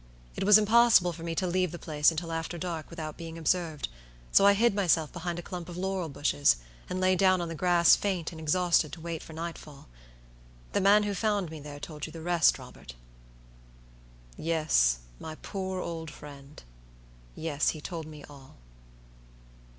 It was impossible for me to leave the place until after dark without being observed, so I hid myself behind a clump of laurel bushes, and lay down on the grass faint and exhausted to wait for nightfall. The man who found me there told you the rest. Robert." "Yes, my poor old friend.yes, he told me all."